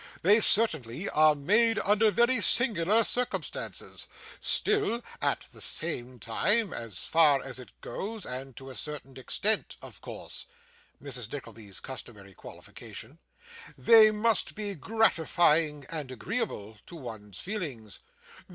They certainly are made under very singular circumstances; still at the same time, as far as it goes, and to a certain extent of course' (Mrs. Nickleby's customary qualification), 'they must be gratifying and agreeable to one's feelings.